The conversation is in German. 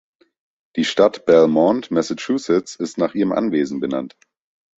Die Stadt Belmont, Massachusetts, ist nach ihrem Anwesen benannt.